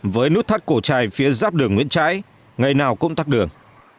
với nút thắt cổ chai phía giáp đường nguyễn trãi ngày nào cũng tắt đường